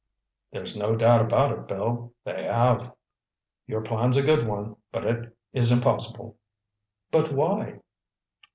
"There's no doubt about it, Bill—they have. Your plan's a good one, but it is impossible." "But why?"